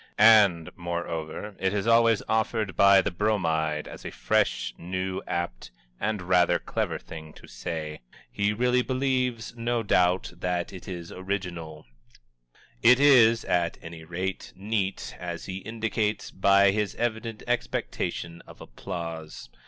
And, moreover, it is always offered by the Bromide as a fresh, new, apt and rather clever thing to say. He really believes, no doubt, that it is original it is, at any rate, neat, as he indicates by his evident expectation of applause.